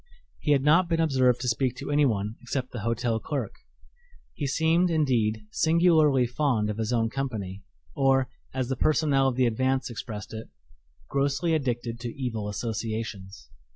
He had not been observed to speak to anyone except the hotel clerk. He seemed, indeed, singularly fond of his own company or, as the personnel of the Advance expressed it, "grossly addicted to evil associations."